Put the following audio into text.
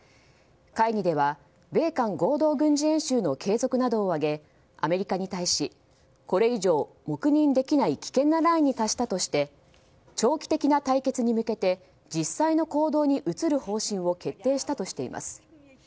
会議では米韓合同軍事演習の継続などを挙げアメリカに対しこれ以上黙認できない危険なラインに達したとして長期的な解決に向けて実際の行動に移る方針を決定したとしています。